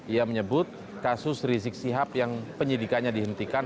ia menyebut kasus rizik sihab yang penyidikannya dihentikan